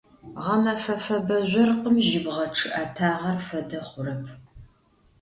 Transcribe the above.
Гъэмэфэ фэбэ жъоркъым жьыбгъэ чъыӏэтагъэр фэдэ хъурэп.